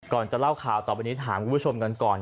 จะเล่าข่าวต่อไปนี้ถามคุณผู้ชมกันก่อน